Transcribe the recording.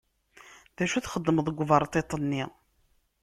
D acu txeddmeḍ deg uberṭiṭ-nni?